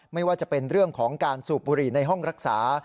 ไม่ว่าจะเป็นเรื่องของการสูบบุหรี่ในห้องรักษา